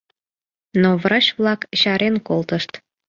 Но врач-влак чарен колтышт.